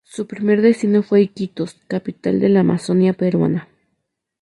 Su primer destino fue Iquitos, capital de la Amazonía peruana.